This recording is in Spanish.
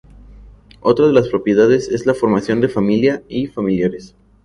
Otra de las prioridades es la formación de familia y familiares.